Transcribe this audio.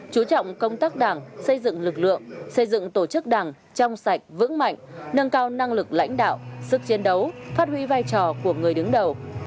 chú trọng công tác đảng xây dựng lực lượng xây dựng tổ chức đảng trong sạch vững mạnh nâng cao năng lực lãnh đạo sức chiến đấu phát huy vai trò của người đứng đầu